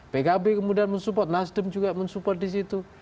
pkb kemudian mensupport nasdem juga mensupport di situ